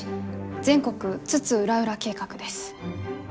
全国津々浦々計画」です。